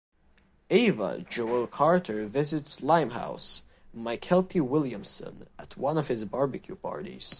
Ava (Joelle Carter) visits Limehouse (Mykelti Williamson) at one of his barbecue parties.